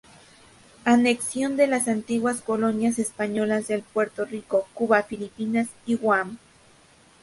Anexión de las antiguas colonias españolas de Puerto Rico, Cuba, Filipinas y Guam.